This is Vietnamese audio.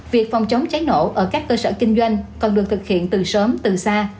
việc phòng chống cháy nổ ở các cơ sở kinh doanh còn được thực hiện từ sớm từ xa